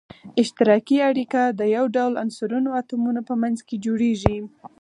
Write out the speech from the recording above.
اشتراکي اړیکه د یو ډول عنصرونو اتومونو په منځ کې جوړیږی.